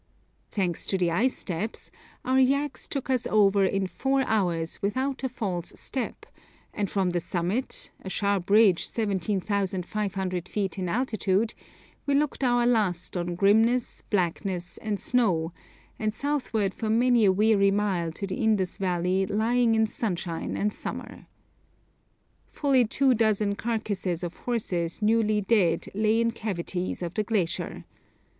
Thanks to the ice steps our yaks took us over in four hours without a false step, and from the summit, a sharp ridge 17,500 feet in altitude, we looked our last on grimness, blackness, and snow, and southward for many a weary mile to the Indus valley lying in sunshine and summer. Fully two dozen carcases of horses newly dead lay in cavities of the glacier.